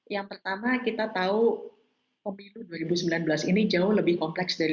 yang pertama kita tahu pemilu dua ribu sembilan belas ini jauh lebih kompleks dari dua ribu sembilan belas